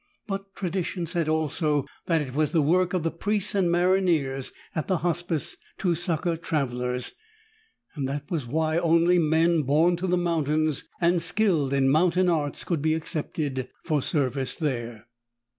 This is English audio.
But tradition said also that it was the work of the priests and maronniers at the Hospice to succor travelers. That was why only men born to the mountains and skilled in mountain arts could be accepted for service there.